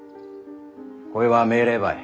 こいは命令ばい。